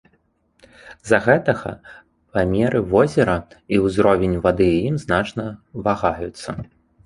З-за гэтага памеры возера і ўзровень вады ў ім значна вагаюцца.